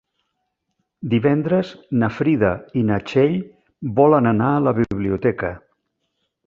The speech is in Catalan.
Divendres na Frida i na Txell volen anar a la biblioteca.